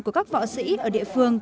của các võ sĩ ở địa phương